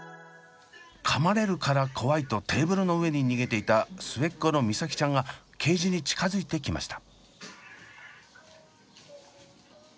かまれるから怖いとテーブルの上に逃げていた末っ子の美沙輝ちゃんがケージに近づいてきました。